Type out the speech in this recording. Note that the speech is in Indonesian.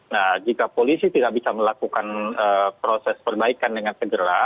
nah jika polisi tidak bisa melakukan proses perbaikan dengan segera